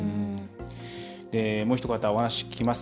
もうひと方、お話聞きます。